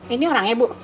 ini orangnya bu